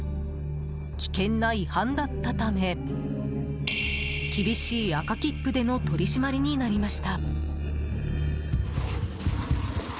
危険な違反だったため厳しい赤切符での取り締まりになりました。